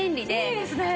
いいですね。